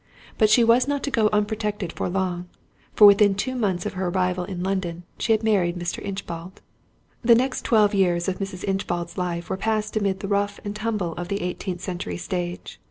But she was not to go unprotected for long; for within two months of her arrival in London she had married Mr. Inchbald. The next twelve years of Mrs. Inchbald's life were passed amid the rough and tumble of the eighteenth century stage.